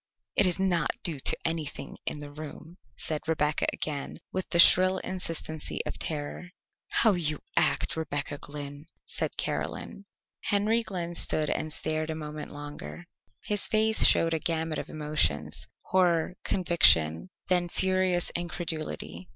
"It is not due to anything in the room," said Rebecca again with the shrill insistency of terror. "How you act, Rebecca Glynn," said Caroline. Henry Glynn stood and stared a moment longer. His face showed a gamut of emotions horror, conviction, then furious incredulity.